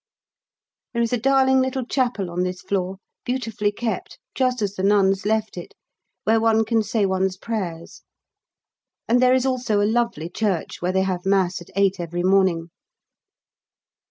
There is a darling little chapel on this floor, beautifully kept, just as the nuns left it, where one can say one's prayers. And there is also a lovely church, where they have Mass at 8 every morning.